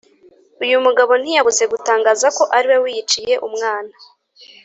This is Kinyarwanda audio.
uyu mugabo ntiyabuze gutangaza ko ariwe wiyiciye umwana